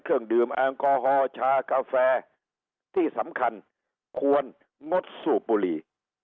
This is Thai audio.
เครื่องดื่มแอลกอฮอล์ชากาแฟที่สำคัญควรงดสูบบุรี